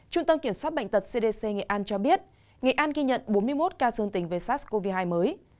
trung tâm kiểm soát bệnh tật cdc nghệ an cho biết nghệ an ghi nhận bốn mươi một ca dương tình về sars cov hai mới